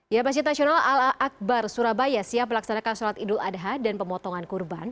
ya masjid nasional al akbar surabaya siap melaksanakan sholat idul adha dan pemotongan kurban